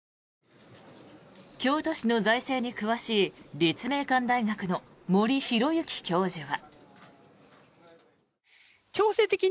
京都市の財政に詳しい立命館大学の森裕之教授は。